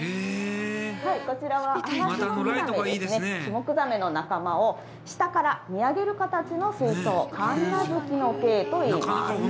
こちらは、シュモクザメの仲間を下から見上げる形の水槽、神無月の景といいます。